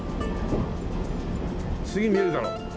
次見えるだろう。